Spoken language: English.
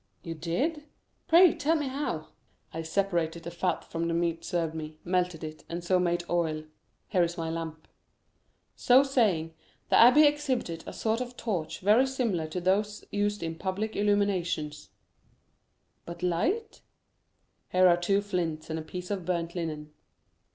"You did? Pray tell me how." "I separated the fat from the meat served to me, melted it, and so made oil—here is my lamp." So saying, the abbé exhibited a sort of torch very similar to those used in public illuminations. "But how do you procure a light?" "Oh, here are two flints and a piece of burnt linen."